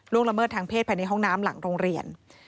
ละเมิดทางเพศภายในห้องน้ำหลังโรงเรียน